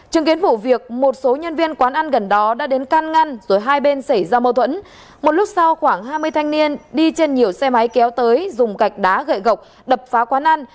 chứng kiến vụ việc một số nhân viên quán ăn gần đó đã đến can ngăn rồi hai bên xảy ra mâu thuẫn một lúc sau khoảng hai mươi thanh niên đi trên nhiều xe máy kéo tới dùng gạch đá gậy gộc đập phá quán ăn